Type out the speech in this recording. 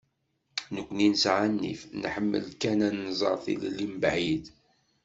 Nekkni nesɛa nnif, nḥemmel kan ad tnẓer tilelli mebɛid.